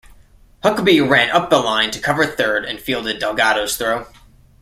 Huckaby ran up the line to cover third and fielded Delgado's throw.